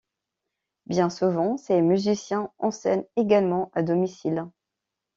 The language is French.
Bien souvent, ces musiciens enseignaient également à domicile.